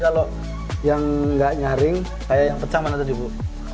kalau yang nggak nyaring kayak yang pecah mana tadi bu